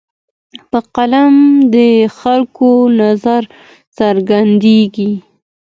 په قلم د خلکو نظر څرګندېږي.